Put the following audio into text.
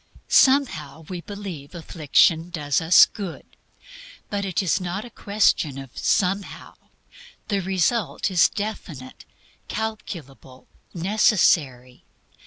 "Somehow" we believe affliction does us good. But it is not a question of "Somehow." The result is definite, calculable, necessary.